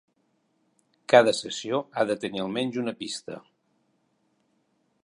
Cada sessió ha de tenir almenys una pista.